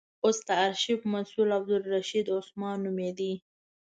اوس د آرشیف مسئول عبدالرشید عثمان نومېد.